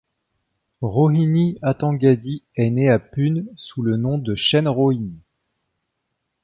Rohini Hattangadi est né à Pune sous le nom de chêne Rohini.